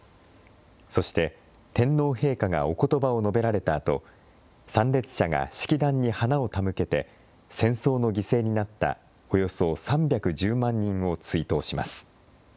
そして、天皇陛下がおことばを述べられたあと、参列者が式壇に花を手向けて、戦争の犠牲になったおよそ３１０万人を追悼します。